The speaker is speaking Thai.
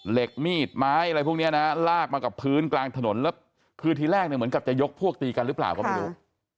เหล็กมีดไม้อะไรพวกนี้นะลากมากับพื้นกลางถนนแล้วคือทีแรกเนี่ยเหมือนกับจะยกพวกตีกันหรือเปล่าก็ไม่รู้